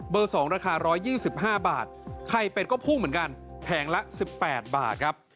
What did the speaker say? ๒ราคา๑๒๕บาทไข่เป็ดก็พุ่งเหมือนกันแผงละ๑๘บาทครับ